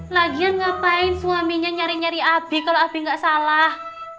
lagian ngapain suaminya nyari nyari abi kalau abi nggak salah